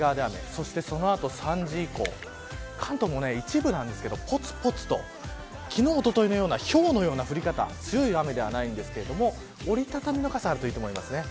そして、そのあと３時以降関東も一部ですが、ぽつぽつと昨日、おとといのようなひょうのような強い降り方ではないんですが折り畳みの傘があるといいと思います。